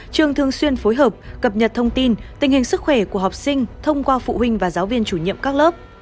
trường thường xuyên phối hợp cập nhật thông tin tình hình sức khỏe của học sinh thông qua phụ huynh và giáo viên chủ nhiệm các lớp